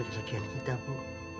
kesedihan kita bu